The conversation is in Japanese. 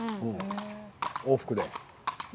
往復で？